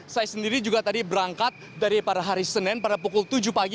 saya sendiri juga tadi berangkat dari pada hari senin pada pukul tujuh pagi